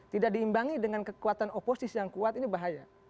tidak diimbangi dengan kekuatan oposisi yang kuat ini bahaya